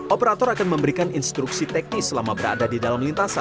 operator akan memberikan instruksi teknis selama berada di dalam lintasan